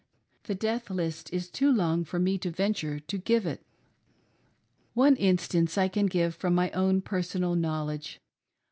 The death list is too long for me to venture to give it. One instance I can give from my own personal knowledge.